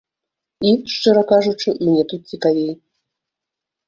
І шчыра кажучы, мне тут цікавей.